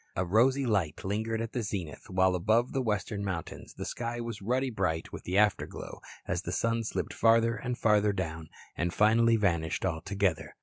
A rosy light lingered at the zenith, while above the western mountains the sky was ruddy bright with the afterglow as the sun slipped farther and farther down and finally vanished altogether.